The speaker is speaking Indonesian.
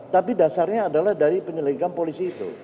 tapi dasarnya adalah dari penyelidikan polisi itu